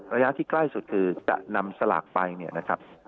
ระยะที่ใกล้สุดคือจะนำสลากไปเนี่ยนะครับ